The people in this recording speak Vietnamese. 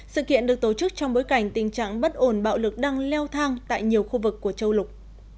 sự kiện được tổ chức trong bối cảnh tình trạng bất ổn bạo lực đang leo thang tại nhiều khu vực của châu lục